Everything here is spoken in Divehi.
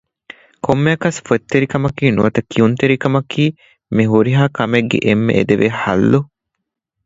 ކޮންމެއަކަސް ފޮތްތެރިކަމަކީ ނުވަތަ ކިޔުންތެރިކަމަކީ މި ހުރިހާ ކަމެއްގެ އެންމެ އެދެވޭ ޙައްލު